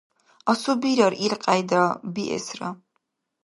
Асубирар илкьяйда биэсра.